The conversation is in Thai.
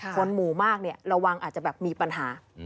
คนหมู่มากระวังอาจจะมีปัญหา